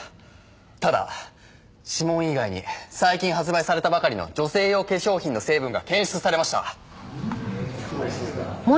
ただ指紋以外に最近発売されたばかりの女性用化粧品の成分が検出されました。